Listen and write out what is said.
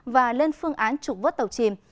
và lên phương án trụng vớt tàu chìm